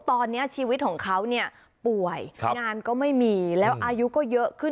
ตอนนี้ชีวิตของเขาเนี่ยป่วยงานก็ไม่มีแล้วอายุก็เยอะขึ้น